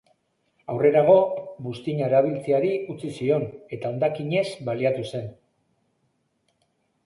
Aurrerago, buztina erabiltzeari utzi zion, eta hondakinez baliatu zen.